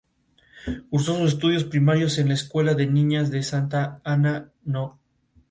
Es un gran artista y una gran voz.